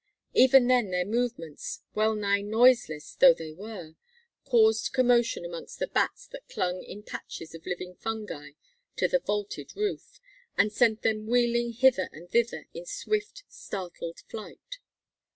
Even then their movements, well nigh noiseless though they were, caused commotion amongst the bats that clung in patches of living fungi to the vaulted roof, and sent them wheeling hither and thither in swift, startled flight.